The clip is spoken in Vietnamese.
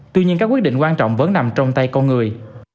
tuy nhiên các quyết định quan trọng vẫn nằm trong tay con người